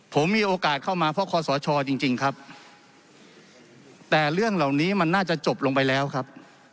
ผมมีโอกาสเข้ามาเพราะคอสชจริงจริงครับแต่เรื่องเหล่านี้มันน่าจะจบลงไปแล้วครับ